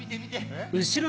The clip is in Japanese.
えっ？